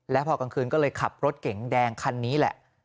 แล้วพอกลางคืนก็เลยขับรถเก๋งแดงคันนี้แหละ